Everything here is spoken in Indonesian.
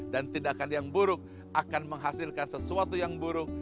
dan tindakan yang buruk akan menghasilkan sesuatu yang buruk